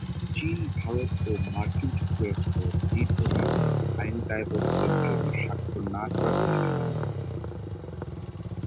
চীন, ভারত ও মার্কিন যুক্তরাষ্ট্র এই ধরনের কোন আইনি দায়বদ্ধতার জন্য স্বাক্ষর না করার চেষ্টা চালিয়ে যাচ্ছে।